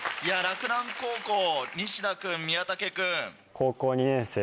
洛南高校西田君宮武君。